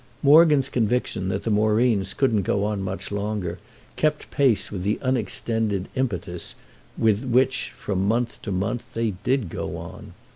Morgan's conviction that the Moreens couldn't go on much longer kept pace with the unexpended impetus with which, from month to month, they did go on.